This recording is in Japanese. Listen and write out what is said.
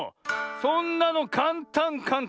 そんなのかんたんかんたん。